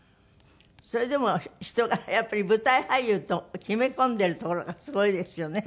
それでも人がやっぱり舞台俳優と決め込んでるところがすごいですよね。